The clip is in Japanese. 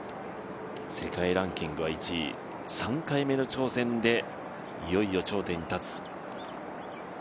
世界ランキングは１位、３回目の挑戦で、いよいよ頂点に立つ。